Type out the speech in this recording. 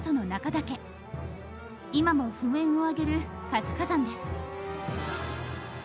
今も噴煙を上げる活火山です。